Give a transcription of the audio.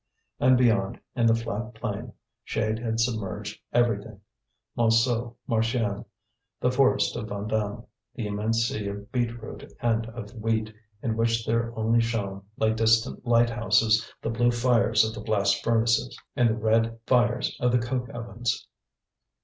And beyond, in the flat plain, shade had submerged everything, Montsou, Marchiennes, the forest of Vandame, the immense sea of beetroot and of wheat, in which there only shone, like distant lighthouses, the blue fires of the blast furnaces, and the red fires of the coke ovens.